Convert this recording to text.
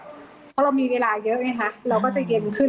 เพราะเรามีเวลาเยอะไงฮะเราก็จะเย็นขึ้น